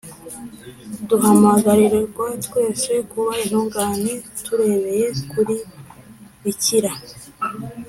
duhamagarirwa twese kuba intungane turebeye kuri bikira